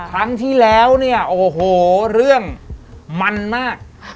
ครั้งที่แล้วเนี่ยโอ้โหเรื่องมันมาก